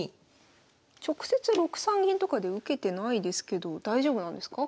直接６三銀とかで受けてないですけど大丈夫なんですか？